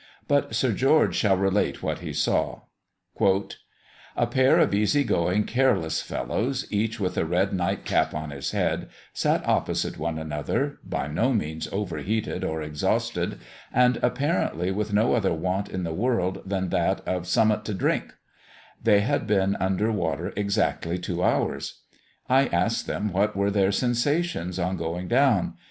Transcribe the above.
But, Sir George shall relate what he saw: "A pair of easy going, careless fellows, each with a red nightcap on his head, sat opposite one another, by no means over heated or exhausted, and apparently with no other want in the world than that of 'summut to drink;' they had been under water exactly two hours. I asked them what were their sensations on going down?